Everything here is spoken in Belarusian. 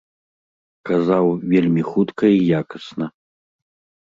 Казаў, вельмі хутка і якасна.